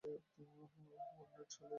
Hornet শালায় এই ট্রেনে কী করছে?